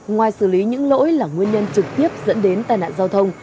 ngoài xử lý những lỗi là nguyên nhân trực tiếp dẫn đến tai nạn giao thông